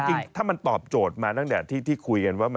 จริงถ้ามันตอบโจทย์มาตั้งแต่ที่คุยกันว่า